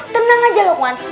tenang aja lukman